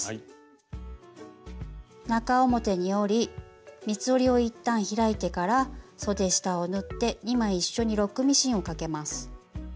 中表に折り三つ折りを一旦開いてからそで下を縫って２枚一緒にロックミシンをかけます。